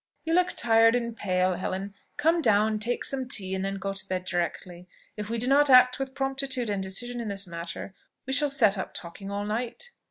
"You look tired and pale, Helen! Come down, take some tea, and then go to bed directly. If we do not act with promptitude and decision in this matter, we shall set up talking all night."